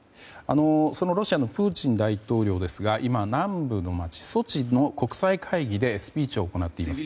ロシアのプーチン大統領ですが今、南部の街、ソチの国際会議でスピーチを行っています。